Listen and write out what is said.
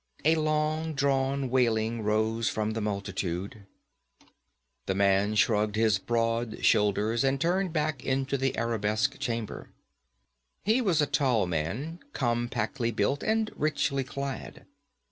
A long drawn wailing rose from the multitude. The man shrugged his broad shoulders and turned back into the arabesque chamber. He was a tall man, compactly built, and richly clad.